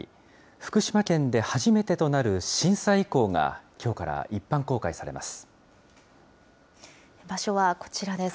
福島県で初めてとなる震災遺構がきょうから一般公開されます。